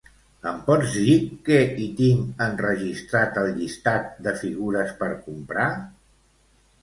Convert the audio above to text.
Em pots dir què hi tinc enregistrat al llistat de figures per comprar?